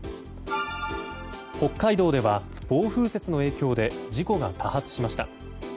北海道では暴風雪の影響で事故が多発しました。